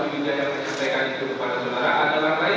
itu terhadap abdul ghani